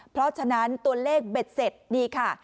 เพราะฉะนั้นตัวเลขเบ็ดเสร็จนี่ค่ะ